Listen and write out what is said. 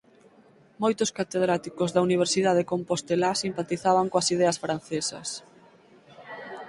Moitos catedráticos da Universidade compostelá simpatizaban coas ideas francesas.